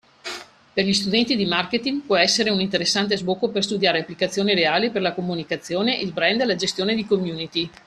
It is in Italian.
Per gli studenti di marketing può essere un interessante sbocco per studiare applicazioni reali per la comunicazione, il brand, la gestione di community.